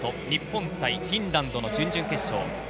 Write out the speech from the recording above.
日本対フィンランドの準々決勝。